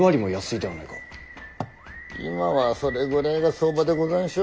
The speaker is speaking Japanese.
今はそれぐらいが相場でござんしょ。